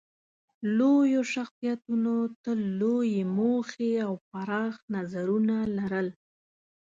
لویو شخصیتونو تل لویې موخې او پراخ نظرونه لرل.